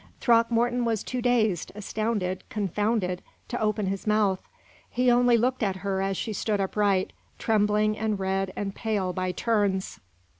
Throckmorton was too dazed, astounded, confounded, to open his mouth. He only looked at her as she stood upright, trembling and red and pale by turns.